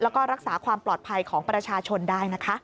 แล้วก็รักษาความปลอดภัยของประชาชนได้นะคะ